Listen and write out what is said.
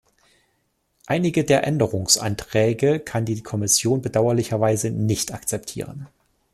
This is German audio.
Einige der Änderungsanträge kann die Kommission bedauerlicherweise nicht akzeptieren.